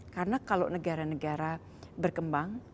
karena kalau negara negara berkembang